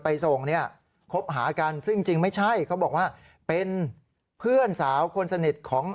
ไปส่งเนี่ยคบหากันซึ่งจริงไม่ใช่เขาบอกว่าเป็นเพื่อนสาวคนสนิทของ